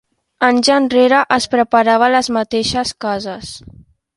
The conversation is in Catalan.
Anys enrere es preparava a les mateixes cases.